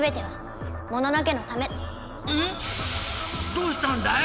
どうしたんだい？